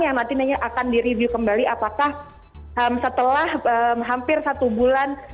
yang nanti akan direview kembali apakah setelah hampir satu bulan